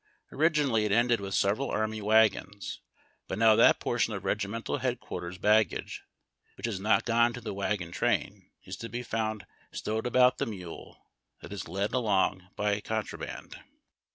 Originally it ended with several army wagons ; but now that portion of regimental headquarters baggage which has not gone to the wagon train is to be found stowed about the mule, that is led along by a contraband.